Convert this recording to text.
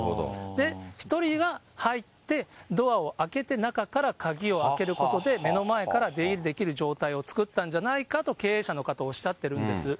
で、１人が入って、ドアを開けて、中から鍵を開けることで、目の前から出入りできる状況を作ったんじゃないかと、経営者の方、おっしゃってるんです。